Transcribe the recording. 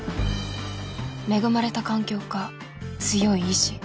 恵まれた環境か強い意志。